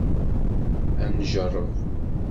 Ad njerreb.